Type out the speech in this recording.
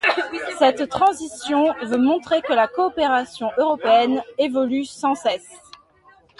Cette transition veut montrer que la coopération européenne évolue sans cesse.